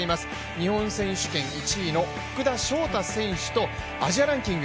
日本選手権１位の福田翔大選手とアジアランキング